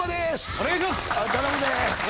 お願いします。